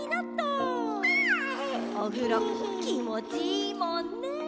おふろきもちいいもんね。